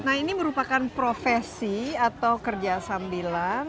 nah ini merupakan profesi atau kerja sambilan